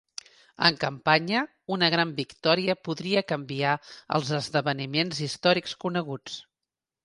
En campanya, una gran victòria podria canviar els esdeveniments històrics coneguts.